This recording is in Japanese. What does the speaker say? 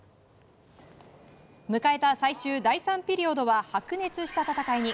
迎えた最終、第３ピリオドは白熱した戦いに。